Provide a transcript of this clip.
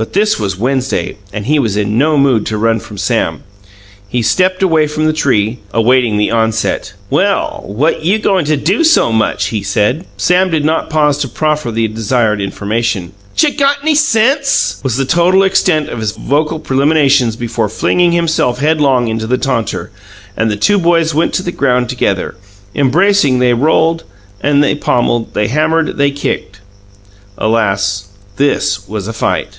But this was Wednesday, and he was in no mood to run from Sam. He stepped away from the tree, awaiting the onset. "Well, what you goin' to do so much?" he said. Sam did not pause to proffer the desired information. "'Tcha got'ny SENSE!" was the total extent of his vocal preliminaries before flinging himself headlong upon the taunter; and the two boys went to the ground together. Embracing, they rolled, they pommelled, they hammered, they kicked. Alas, this was a fight.